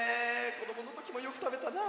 こどものときもよくたべたな。